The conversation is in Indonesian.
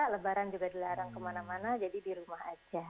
lebaran juga dilarang kemana mana jadi di rumah aja